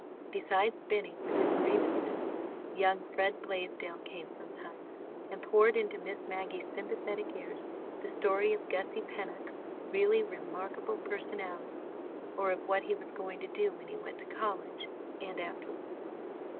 Besides Benny, with his grievances, young Fred Blaisdell came sometimes, and poured into Miss Maggie's sympathetic ears the story of Gussie Pennock's really remarkable personality, or of what he was going to do when he went to college—and afterwards.